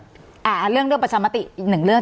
เรื่องเรื่องประชามติอีกหนึ่งเรื่อง